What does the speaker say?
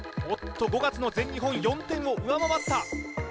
おっと５月の全日本４点を上回った